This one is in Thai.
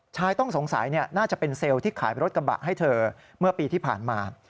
ชายต้องสงสัยน่าจะเป็นเซลล์ที่ขายรถกระบะให้เธอเมื่อปีที่ผ่านมา